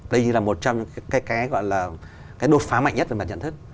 đây là một trong những cái đột phá mạnh nhất về mặt nhận thức